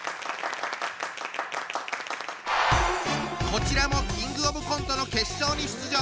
こちらもキングオブコントの決勝に出場。